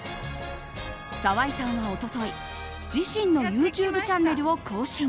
沢井さんは一昨日、自身のＹｏｕＴｕｂｅチャンネルを更新。